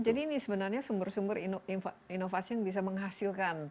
jadi ini sebenarnya sumber sumber inovasi yang bisa menghasilkan